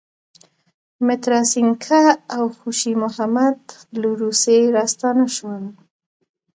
متراسینکه او خوشی محمد له روسیې راستانه شول.